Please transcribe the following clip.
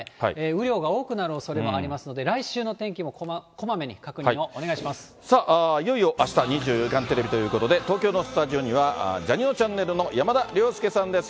雨量が多くなるおそれもありますので、来週の天気もこまめに確認さあ、いよいよあした、２４時間テレビということで、東京のスタジオには、ジャにのちゃんねるの山田涼介さんです。